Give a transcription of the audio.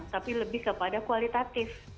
tapi lebih kepada kualitatif